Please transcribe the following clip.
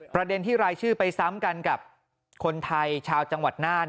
ประเด็นที่รายชื่อไปซ้ำกันกับคนไทยชาวจังหวัดน่าน